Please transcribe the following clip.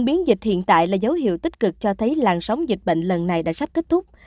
biến dịch hiện tại là dấu hiệu tích cực cho thấy làn sóng dịch bệnh lần này đã sắp kết thúc